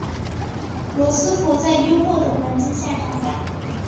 罗斯福在优渥的环境下长大。